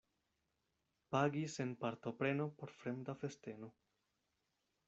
Pagi sen partopreno por fremda festeno.